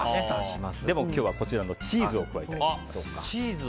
でも今日はこちらのチーズを加えさせていただきます。